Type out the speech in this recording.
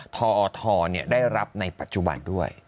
ทอทได้รับในปัจจุบันด้วย